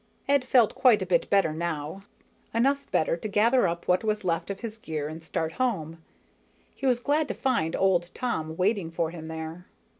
Ed felt quite a bit better now, enough better to gather up what was left of his gear and start home. He was glad to find old Tom waiting for him there.